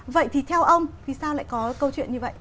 vậy thì theo ông vì sao lại có câu chuyện như vậy